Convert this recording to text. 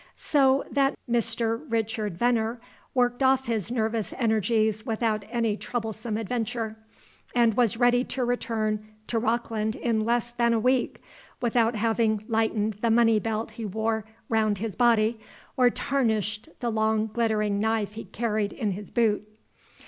So that Mr. Richard Veneer worked off his nervous energies without any troublesome adventure, and was ready to return to Rockland in less than a week, without having lightened the money belt he wore round his body, or tarnished the long glittering knife he carried in his boot.